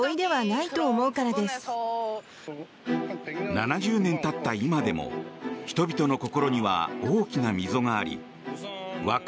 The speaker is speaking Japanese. ７０年経った今でも人々の心には大きな溝があり和解